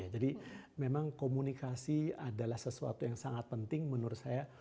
jadi memang komunikasi adalah sesuatu yang sangat penting menurut saya